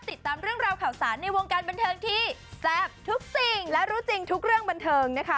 ติดตามเรื่องราวข่าวสารในวงการบันเทิงที่แซ่บทุกสิ่งและรู้จริงทุกเรื่องบันเทิงนะคะ